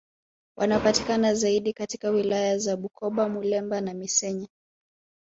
Wanapatikana zaidi katika wilaya za Bukoba Muleba na Missenyi